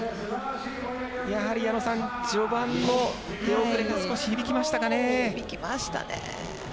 やはり序盤の出遅れが少し響きましたかね。